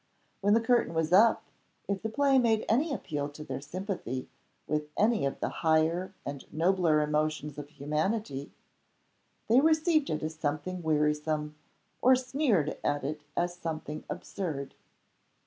When the curtain was up, if the play made any appeal to their sympathy with any of the higher and nobler emotions of humanity, they received it as something wearisome, or sneered at it as something absurd.